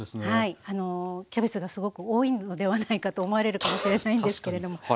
はいキャベツがすごく多いのではないかと思われるかもしれないんですけれども。